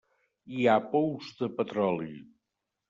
Hi ha pous de petroli.